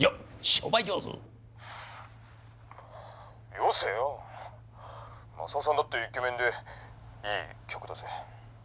「よせよまさおさんだってイケメンでいい客だぜ」。